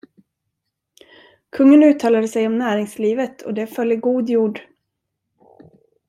Kungen uttalade sig om näringslivet och det föll i god jord.